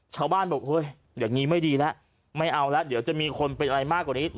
ชาวบ้านบอกเฮ้ยอย่างนี้ไม่ดีแล้วไม่เอาแล้วเดี๋ยวจะมีคนเป็นอะไรมากกว่านี้